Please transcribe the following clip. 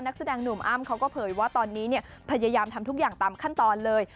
นักแสดงหนุ่มอ้ำเขาก็เผยว่าตอนนี้พยายามทำทุกอย่างตามขั้นตอนเลย